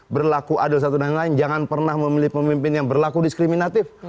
berlaku adil satu dan lain lain jangan pernah memilih pemimpin yang berlaku diskriminatif